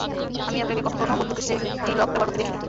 আমি আপনাকে কখনো বন্দুকের শেফটি লক ব্যবহার করতে দেখিনি।